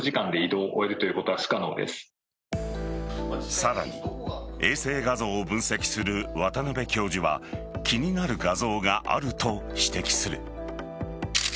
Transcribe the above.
さらに、衛星画像を分析する渡邉教授は気になる画像があると指摘する。